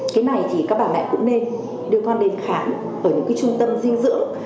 cái này thì các bà mẹ cũng nên đưa con đến khám ở những trung tâm dinh dưỡng